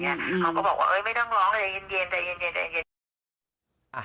เขาก็บอกว่าไม่ต้องร้องจะเย็น